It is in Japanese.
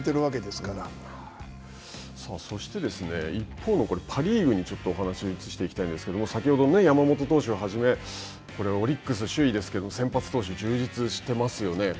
そして、一方のパ・リーグにお話を移していきたいんですけれども、先ほどの山本投手をはじめ、オリックスは首位ですけど先発投手、充実していますよね。